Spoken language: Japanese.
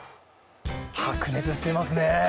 白熱していますね！